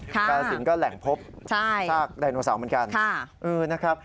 กาลสินก็แหล่งพบทรากดายโนเสาร์เหมือนกัน